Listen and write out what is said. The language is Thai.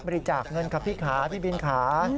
บริจาคเงินครับพี่ค้าพี่บินค้า